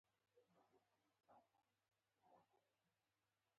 په لرې سیمو کې د تازه غوښې او میوو ستونزه وي